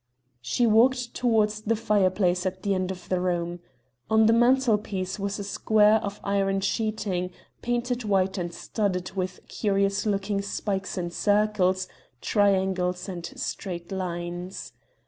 She walked towards the fireplace at the end of the room. On the mantelpiece was a square of iron sheeting, painted white and studded with curious looking spikes in circles, triangles, and straight lines.